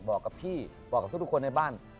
บอกกับทุกคนในบ้าน